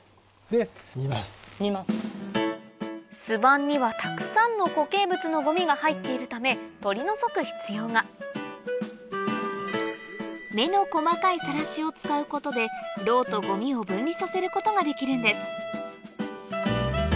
巣板にはたくさんの固形物のゴミが入っているため取り除く必要が目の細かいサラシを使うことでロウとゴミを分離させることができるんです